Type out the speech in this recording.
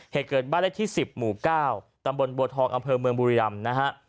เหตุเกิดบ้านเลขที่๑๐หมู่๙ตำบลบัวทองอำเภอเมืองบุรีรำนะฮะ